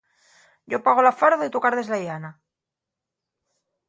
Yo pago la farda y tu cardes la llana.